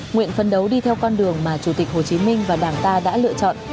nguyện phấn đấu đi theo con đường mà chủ tịch hồ chí minh và đảng ta đã lựa chọn